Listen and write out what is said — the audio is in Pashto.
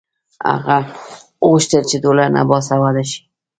هغه غوښتل چې ټولنه باسواده شي.